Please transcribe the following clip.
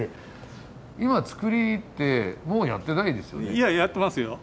今造りってもうやってないですよね。